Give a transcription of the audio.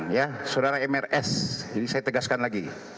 ya saudara mrs jadi saya tegaskan lagi